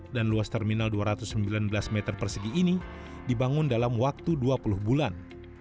dan luas terminal dua ratus sembilan belas meter persegi ini dibangun dalam waktu dua puluh bulan